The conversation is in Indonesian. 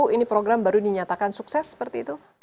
ini program baru dinyatakan sukses seperti itu